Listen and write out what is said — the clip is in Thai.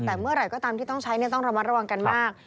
แต่เมื่อไหร่ก็ตามที่ต้องใช้ต้องระมัดระวังกันมาก